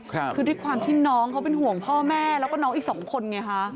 คือด้วยความที่น้องเขาเป็นห่วงพ่อแม่แล้วก็น้องอีกสองคนไงคะ